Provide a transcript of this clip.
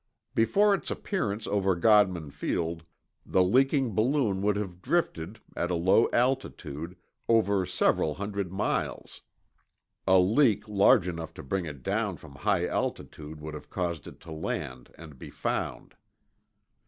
Before its appearance over Godman Field, the leaking balloon would have drifted, at a low altitude, over several hundred miles. (A leak large enough to bring it down from high altitude would have caused it to land and be found.)